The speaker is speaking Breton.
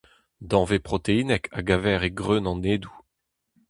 Danvez proteinek a gaver e greun an edoù.